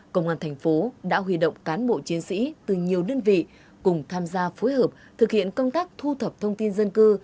công an thành phố đã huy động cán bộ chiến sĩ từ nhiều đơn vị cùng tham gia phối hợp thực hiện công tác thu thập thông tin dân cư